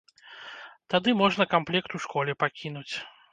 Тады можна камплект у школе пакінуць.